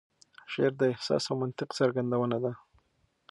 شعر د احساس او منطق څرګندونه ده.